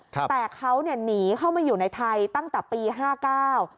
ครับแต่เขาเนี่ยหนีเข้ามาอยู่ในไทยตั้งแต่ปีห้าเก้า